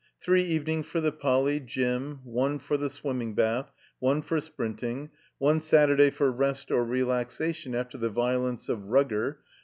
Three evenings for the Poly. Gym. One for the Swimming Bath. One for sprinting. One (Saturday) for rest or re laxation after the violence of Rugger.